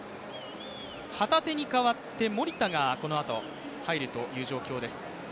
旗手に代わって守田がこのあと入るという状況です。